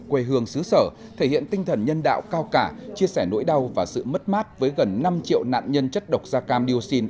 quê hương xứ sở thể hiện tinh thần nhân đạo cao cả chia sẻ nỗi đau và sự mất mát với gần năm triệu nạn nhân chất độc da cam dioxin